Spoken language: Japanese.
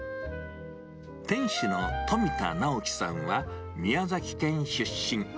店主の冨田直樹さんは、宮崎県出身。